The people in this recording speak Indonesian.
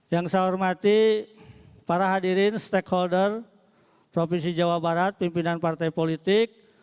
yang saya hormati para hadirin stakeholder provinsi jawa barat pimpinan partai politik